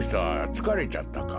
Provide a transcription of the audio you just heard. つかれちゃったか？